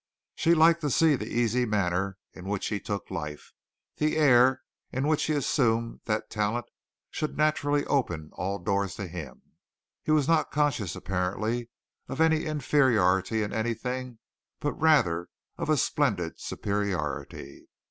She liked to see the easy manner in which he took life, the air with which he assumed that talent should naturally open all doors to him. He was not conscious apparently of any inferiority in anything but rather of a splendid superiority.